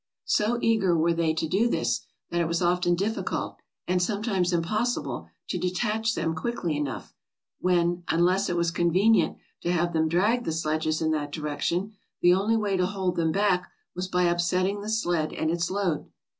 So eager were they to do this that it was often difficult and sometimes impossible to detach them quickly enough, when, unless it was convenient to have them drag the sledges in that direction, the only way to hold them back was by upsetting the sled and its load.